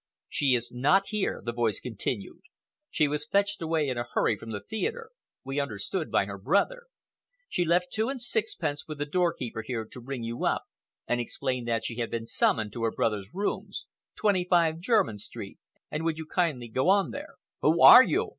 "She is not here," the voice continued. "She was fetched away in a hurry from the theatre—we understood by her brother. She left two and sixpence with the doorkeeper here to ring you up and explain that she had been summoned to her brother's rooms, 25, Jermyn Street, and would you kindly go on there." "Who are you?"